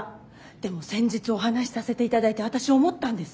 でも先日お話しさせて頂いて私思ったんです。